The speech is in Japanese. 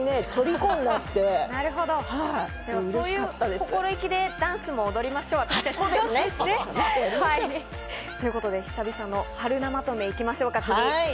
そういう心意気で私達ダンスを踊りましょう。ということで久々のＨＡＲＵＮＡまとめ、いきましょうか。